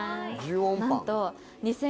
なんと。